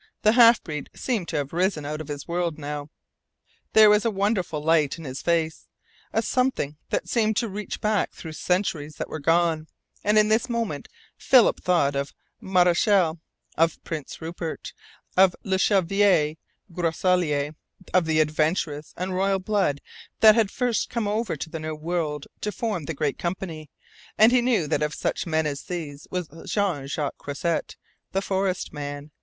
The half breed seemed to have risen out of his world now. There was a wonderful light in his face, a something that seemed to reach back through centuries that were gone and in this moment Philip thought of Marechal, of Prince Rupert, of le Chevalier Grosselier of the adventurous and royal blood that had first come over to the New World to form the Great Company, and he knew that of such men as these was Jean Jacques Croisset, the forest man.